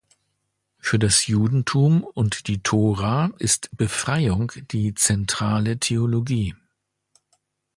Für das Judentum und die Tora ist Befreiung die zentrale Theologie.